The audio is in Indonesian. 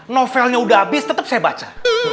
novelnya udah abis tetep saya baca